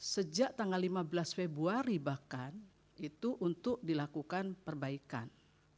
sejak tanggal lima belas februari bahkan itu untuk dilakukan perbaikan